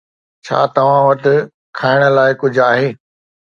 ڇا توهان وٽ کائڻ لاءِ ڪجهه آهي؟